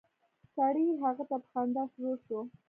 سړی هغې ته په خندا شروع شو.